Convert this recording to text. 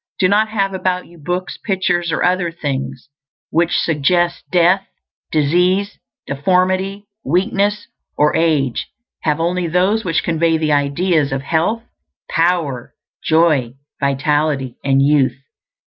Do not have about you books, pictures, or other things which suggest death, disease, deformity, weakness, or age; have only those which convey the ideas of health, power, joy, vitality, and youth.